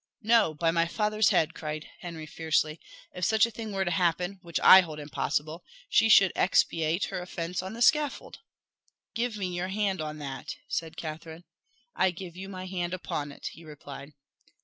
"No, by my father's head!" cried Henry fiercely. "If such a thing were to happen, which I hold impossible, she should expiate her offence on the scaffold." "Give me your hand on that," said Catherine. "I give you my hand upon it," he replied.